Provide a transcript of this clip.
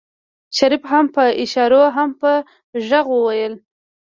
شريف هم په اشارو هم په غږ وويل.